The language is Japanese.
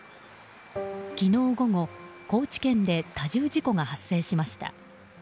昨日午後、高知県で多重事故が発生しました。